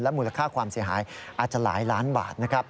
มูลค่าความเสียหายอาจจะหลายล้านบาทนะครับ